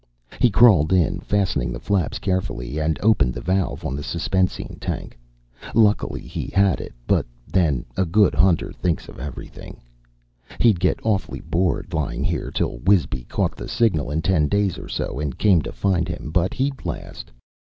He crawled in, fastening the flaps carefully, and opened the valve on the suspensine tank. Lucky he had it but then, a good hunter thinks of everything. He'd get awfully bored, lying here till Wisby caught the signal in ten days or so and came to find him, but he'd last.